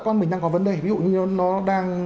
con mình đang có vấn đề ví dụ như nó đang